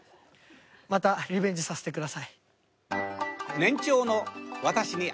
またリベンジさせてください。